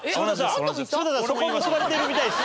そこも結ばれてるみたいです。